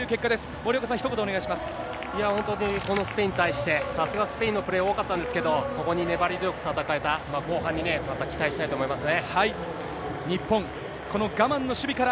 森岡さん、本当にこのスペインに対して、さすがスペインのプレー、多かったんですけど、ここに粘り強く戦えた、後半にまた期待したいと思いますね。